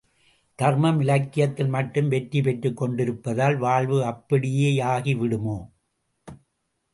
தர்மம் இலக்கியத்தில் மட்டும் வெற்றி பெற்றுக் கொண்டிருப்பதால் வாழ்வு அப்படியேயாகி விடுமோ?